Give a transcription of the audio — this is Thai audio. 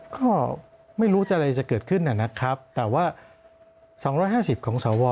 ก็ไม่รู้จะอะไรจะเกิดขึ้นนะครับแต่ว่า๒๕๐ของสว